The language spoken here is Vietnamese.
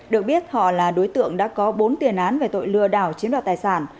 được biết họ là đối tượng đã có bốn tiền án về tội lừa đảo chiếm đoạt tài sản